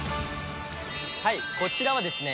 はいこちらはですね